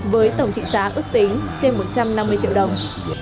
với tổng trị giá ước tính trên một trăm năm mươi triệu đồng